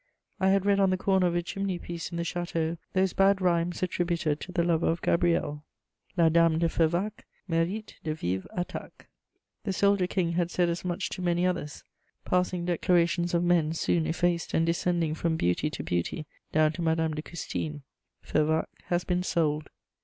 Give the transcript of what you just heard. I had read on the corner of a chimney piece in the château those bad rhymes attributed to the lover of Gabrielle: La dame de Fervacques Mérite de vives attacques. The soldier king had said as much to many others: passing declarations of men, soon effaced and descending from beauty to beauty down to Madame de Custine. Fervacques has been sold.